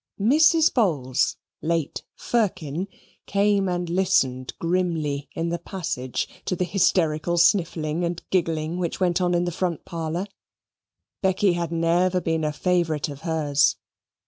Mrs. Bowls, late Firkin, came and listened grimly in the passage to the hysterical sniffling and giggling which went on in the front parlour. Becky had never been a favourite of hers.